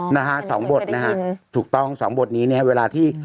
อ๋อเป็นการได้ยินนะครับถูกต้องสองบทนี้เนี่ยเวลาที่